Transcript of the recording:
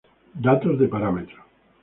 Datos de parámetros